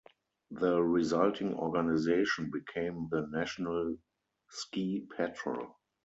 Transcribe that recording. The resulting organization became the National Ski Patrol.